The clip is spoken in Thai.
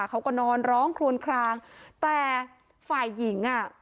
เขาก็นอนร้องคลวนคลางแต่ฝ่ายหญิงอ่ะ